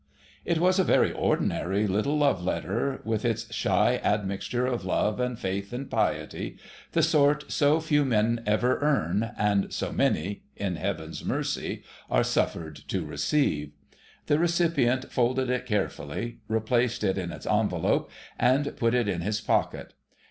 It was a very ordinary little love letter, with its shy admixture of love and faith and piety: the sort so few men ever earn, and so many (in Heaven's mercy) are suffered to receive. The recipient folded it carefully, replaced it in its envelope, and put it in his pocket.